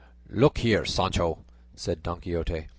"Look here, Sancho," said Don Quixote.